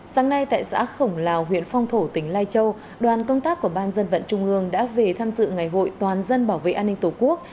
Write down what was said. sáng nay tại xã khổng lào huyện phong thổ tỉnh lai châu đoàn công tác của ban dân vận trung ương đã về tham dự ngày hội toàn dân bảo vệ an ninh tổ quốc